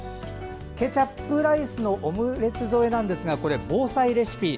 ケチャップライスのオムレツ添えですがこれ、防災レシピ。